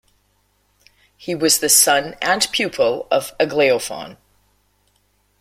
He was the son and pupil of Aglaophon.